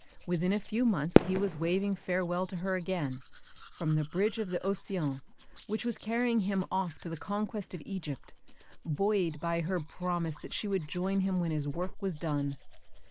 Within a few months he was waving farewell to her again, from the bridge of the Océan which was carrying him off to the conquest of Egypt, buoyed by her promise that she would join him when his work was done.